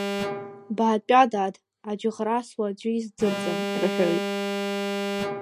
Баатәа, дад, аӡә иӷрасуа аӡәы издырӡам, — рҳәоит.